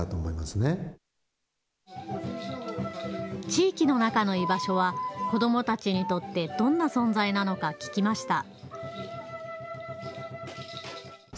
地域の中の居場所は子どもたちにとってどんな存在なのか聴きました。